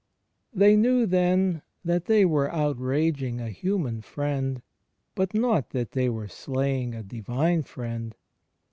They knew, then, that they were outraging a human friend, but not that they were slaying a Divine Friend.